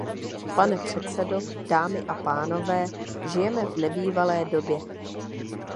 Pane předsedo, dámy a pánové, žijeme v nebývalé době.